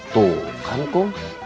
tuh kan kum